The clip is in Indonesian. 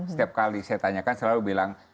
setiap kali saya tanyakan selalu bilang